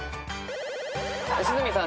良純さん